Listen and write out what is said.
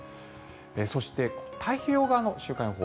そして、太平洋側の週間予報。